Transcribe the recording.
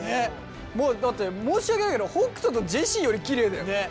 もうだって申し訳ないけど北斗とジェシーよりきれいだよ。ね。